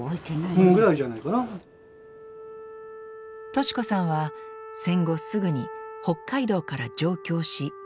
敏子さんは戦後すぐに北海道から上京し結婚。